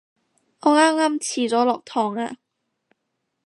我啱啱遲咗落堂啊